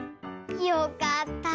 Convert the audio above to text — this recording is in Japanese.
よかった。